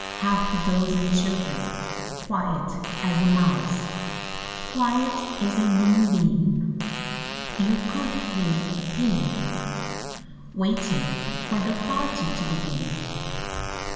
Half a dozen children Quiet as a mouse, Quiet as a moonbeam, You could hear a pin Waiting for the party To begin.